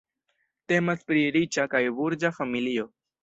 Temas pri riĉa kaj burĝa familio.